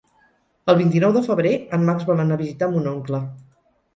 El vint-i-nou de febrer en Max vol anar a visitar mon oncle.